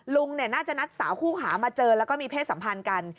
ลุงน่าจะนัดสาวคู่หามาเจอแล้วก็มีเพศสัมพันธ์กัน